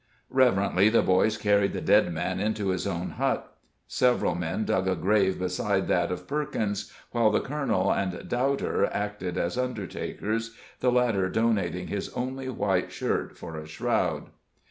Reverently the boys carried the dead man into his own hut. Several men dug a grave beside that of Perkins, while the colonel and doubter acted as undertakers, the latter donating his only white shirt for a shroud.